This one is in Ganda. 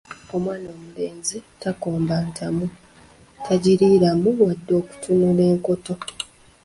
Omwana omulenzi takomba ntamu, tagiriiramu wadde okutuula enkoto.